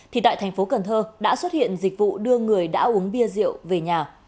thì tại tp cần thơ đã xuất hiện dịch vụ đưa người đã uống bia rượu về nhà